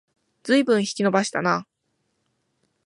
ずいぶん引き延ばしたな